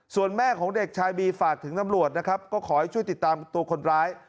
ส่วนแม่ของเด็กชายบีฝากถึงตำรวจนะครับก็ขอให้ช่วยติดตามตัวคนร้าย